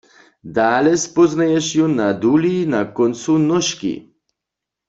Dale spóznaješ jón na duli na kóncu nóžki.